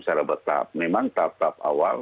secara bertahap memang tahap tahap awal